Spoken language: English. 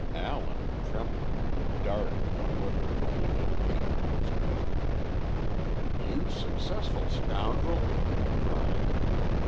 Allen, trembling, darted one look of malignant hate at his cousin. "You successful scoundrel!" he cried.